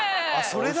それだ！